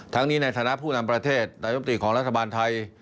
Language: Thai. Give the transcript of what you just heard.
นี้ในฐานะผู้นำประเทศนายมตรีของรัฐบาลไทย